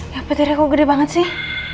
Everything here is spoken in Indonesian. ya petirnya kok gede banget sih